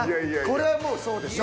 これはもうそうでしょ。